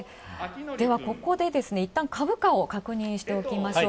ここで、いったん、株価を確認しておきましょう。